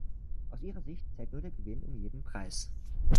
Aus ihrer Sicht zählt nur der Gewinn um jeden Preis.